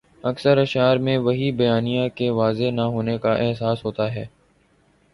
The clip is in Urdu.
اکثر اشعار میں وہی بیانیہ کے واضح نہ ہونے کا احساس ہوتا ہے۔